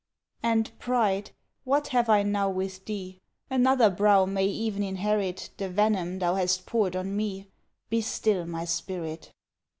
And, pride, what have I now with thee? Another brow may even inherit The venom thou hast pour'd on me Be still, my spirit!